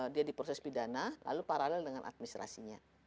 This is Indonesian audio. dia diproses pidana lalu paralel dengan administrasinya